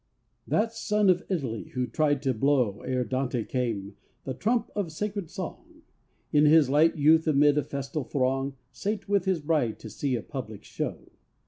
_ That son of Italy who tried to blow, Ere Dante came, the trump of sacred song, In his light youth amid a festal throng Sate with his bride to see a public show.